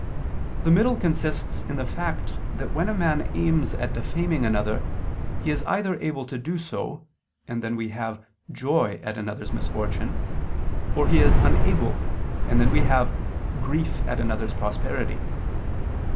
_ The middle consists in the fact that when a man aims at defaming another, he is either able to do so, and then we have joy at another's misfortune, or he is unable, and then we have _grief at another's prosperity.